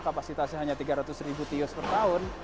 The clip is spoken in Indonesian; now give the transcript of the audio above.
kapasitasnya hanya tiga ratus tios per tahun